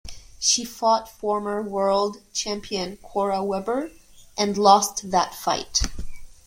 She fought former world champion Cora Webber, and lost that fight.